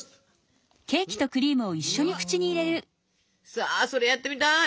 さあそれやってみたい！